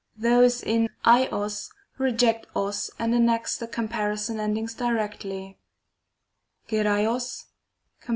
Those in ac og reject og and annex the comparison end ings directly; ytQai og, Comp.